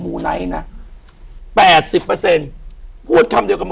อยู่ที่แม่ศรีวิรัยิลครับ